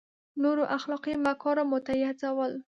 نورو اخلاقي مکارمو ته یې هڅول.